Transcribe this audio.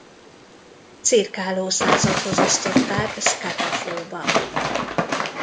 Cirkáló Századhoz osztották Scapa Flow-ba.